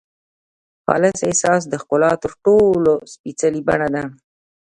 خالص احساس د ښکلا تر ټولو سپېڅلې بڼه ده.